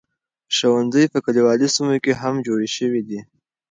ښوونځي په کليوالي سیمو کې هم جوړ شوي دي.